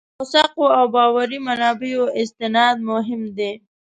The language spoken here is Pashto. موثقو او باوري منابعو استناد مهم دی.